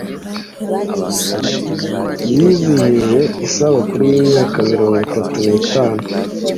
yizihije isabukuru y’imyaka mirongo itatu nitatu